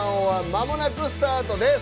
まもなくスタートです。